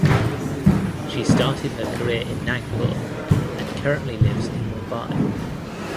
She started her career in Nagpur and currently lives in Mumbai.